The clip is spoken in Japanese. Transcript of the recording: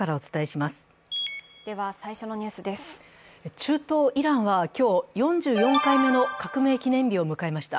中東イランは今日、４４回目の革命記念日を迎えました。